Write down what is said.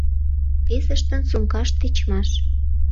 Весыштын сумкашт тичмаш.